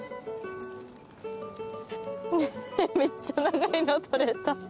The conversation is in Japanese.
めっちゃ長いの採れた。